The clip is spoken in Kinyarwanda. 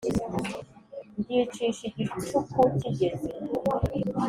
Ndyicisha igicuku kigeze